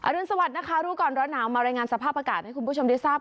รุนสวัสดินะคะรู้ก่อนร้อนหนาวมารายงานสภาพอากาศให้คุณผู้ชมได้ทราบ